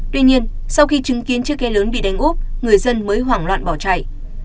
tuy nhiên sau khi chứng kiến chiếc ke lớn bị đánh úp người dân mới hoảng loạn bỏ chạy